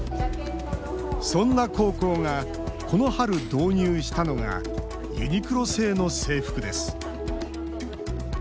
そんな高校がこの春、導入したのがユニクロ製の制服です。